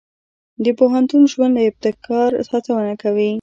د پوهنتون ژوند د ابتکار هڅونه کوي.